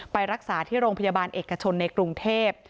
ไปรักษาที่โรงพยาบาลเอกชนในกรุงเทพ